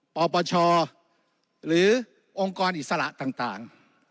ปปชหรือองค์กรอิสระต่าง